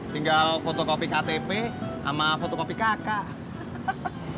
tinggal fotokopi ktp sama fotokopi kakak